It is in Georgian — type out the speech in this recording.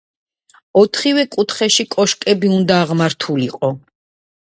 ოთხივე კუთხეში კოშკები იყო აღმართული.